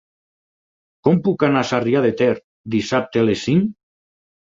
Com puc anar a Sarrià de Ter dissabte a les cinc?